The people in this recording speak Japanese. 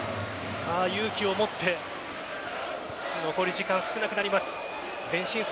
勇気を持って残り時間少なくなります。